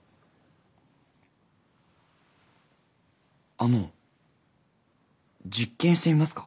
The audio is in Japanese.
あの実験してみますか？